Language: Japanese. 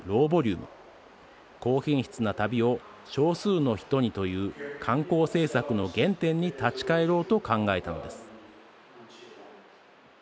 高品質な旅を少数の人にという観光政策の原点に立ち帰ろうと考えたのです。